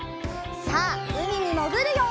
さあうみにもぐるよ！